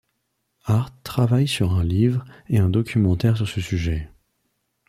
Arth travaille sur un livre et un documentaire sur ce sujet.